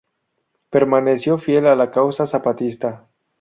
Permaneció fiel a la causa zapatista.